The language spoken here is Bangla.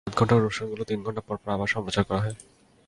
আধঘণ্টার অনুষ্ঠানগুলো তিন ঘণ্টা পরপর আবার সম্প্রচার করা হয়।